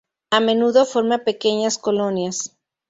A menudo forma pequeñas colonias.